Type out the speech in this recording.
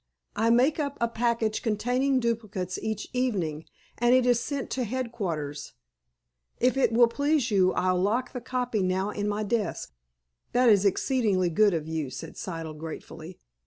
"I make up a package containing duplicates each evening, and it is sent to headquarters. If it will please you, I'll lock the copy now in my desk." "That is exceedingly good of you," said Siddle gratefully.